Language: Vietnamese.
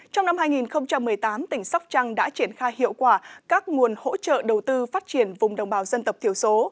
trong năm hai nghìn một mươi tám tỉnh sóc trăng đã triển khai hiệu quả các nguồn hỗ trợ đầu tư phát triển vùng đồng bào dân tộc thiểu số